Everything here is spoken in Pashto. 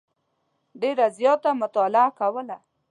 ډېره زیاته مطالعه کوله.